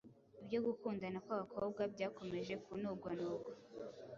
ibyo gukundana kw'aba bakobwa byakomeje kunugwanugwa